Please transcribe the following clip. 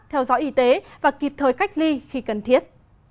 theo dõi y tế và kịp thời cách ly khi cần thiết